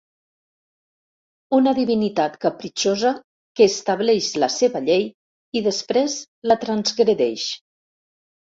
Una divinitat capritxosa que estableix la seva llei i després la transgredeix.